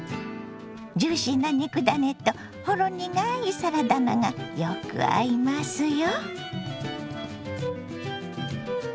ジューシーな肉ダネとほろ苦いサラダ菜がよく合いますよ。